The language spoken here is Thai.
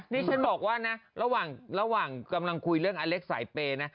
นี่ฉันบอกว่านะระหว่างกำลังคุยเรื่องอเล็กสายเปย์นะ